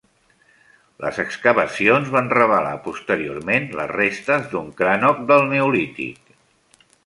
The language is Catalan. Les excavacions van revelar posteriorment les restes d'un crannog del neolític.